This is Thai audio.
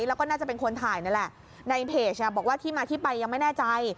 แล้วก็น่าจะเป็นคนถ่ายนั่นแหละในเพจบอกว่าที่มาที่ไปยังไม่แน่ใจ